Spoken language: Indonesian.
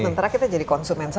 sementara kita jadi konsumen saja